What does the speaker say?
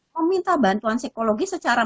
meminta bantuan psikologis secara